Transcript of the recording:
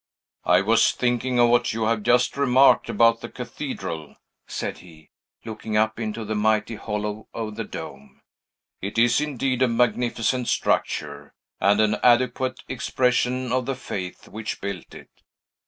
"I was thinking of what you have just remarked about the cathedral," said he, looking up into the mighty hollow of the dome. "It is indeed a magnificent structure, and an adequate expression of the Faith which built it.